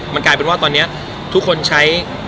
มันกลายเป็นว่าตอนนี้ทุกคนใช้